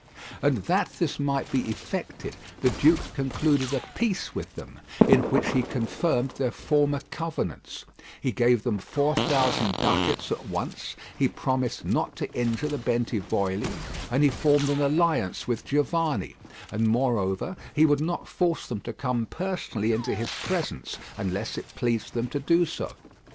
And that this might be effected the duke concluded a peace with them in which he confirmed their former covenants; he gave them four thousand ducats at once; he promised not to injure the Bentivogli; and he formed an alliance with Giovanni; and moreover he would not force them to come personally into his presence unless it pleased them to do so.